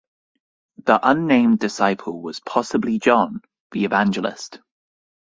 The unnamed disciple was possibly John, the evangelist.